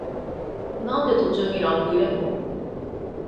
なんで途中にラップ入れんの？